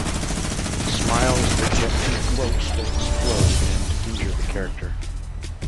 Smiles that get too close will explode and injure the character.